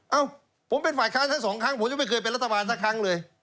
เอ้าผมเป็นฝ่ายค้านทั้งสองครั้งผมยังไม่เคยเป็นรัฐบาลสักครั้งเลย